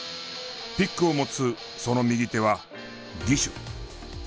ピックを持つその右手は義手。